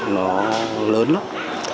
nó lớn lắm